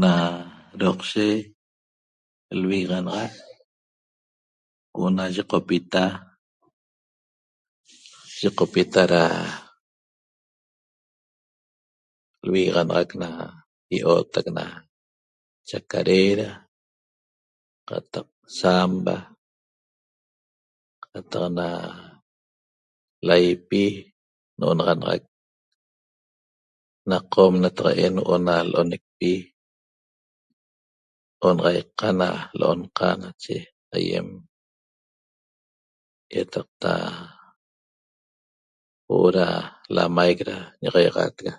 Na roqshe lvigaxanaxac huo'o na yeqopita, yecopita ra lvigaxanaxac na io'otac na chacarera qataq zamba qataq na laipi no'onaxanaxac na qom nataqaen huo'o na lo'onecpi onaxaiqa na lo'onqa nache aiem iataqta huo'o ra lamaic ra ñaxaiaxatega